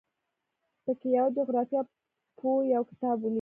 په کې یوه جغرافیه پوه یو کتاب ولیکه.